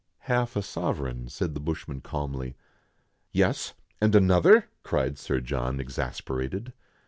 "Ilalf a sovereign," said the bushman calmly. " Yes, and another," cried Sir John, exasperated.